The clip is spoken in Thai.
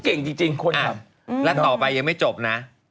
คงเก่งจริงคุณครับอ่ะแล้วต่อไปยังไม่จบนะ